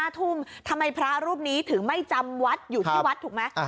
๕ทุ่มทำไมพระรูปนี้ถึงไม่จำวัดอยู่ที่วัดถูกไหม